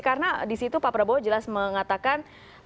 karena disitu pak prabowo jelas mengatakan